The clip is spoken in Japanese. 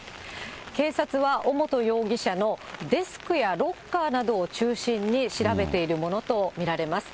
警察は尾本容疑者のデスクやロッカーなどを中心に調べているものと見られます。